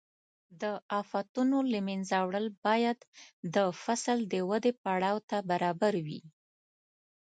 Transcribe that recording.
د آفتونو له منځه وړل باید د فصل د ودې پړاو ته برابر وي.